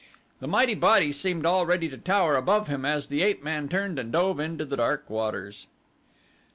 The mighty body seemed already to tower above him as the ape man turned and dove into the dark waters.